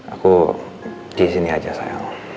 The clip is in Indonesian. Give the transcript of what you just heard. aku disini aja sayang